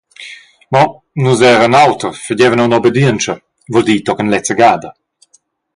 Mo nus eran auter, fagevan aunc obedientscha… vul dir tochen lezza gada.